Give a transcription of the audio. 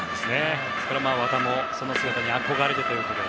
和田も、その姿に憧れてということで。